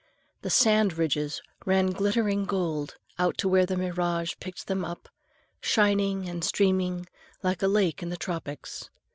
The sand ridges ran glittering gold out to where the mirage licked them up, shining and steaming like a lake in the tropics.